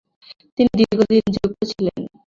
তিনি দীর্ঘদিন যুক্ত ছিলেন।